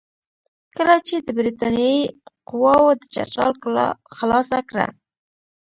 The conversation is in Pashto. کله چې د برټانیې قواوو د چترال کلا خلاصه کړه.